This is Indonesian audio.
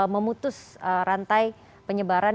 memutus rantai penyebaran